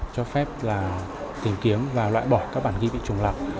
cho phép là tìm kiếm và loại bỏ các bản ghi bị trùng lập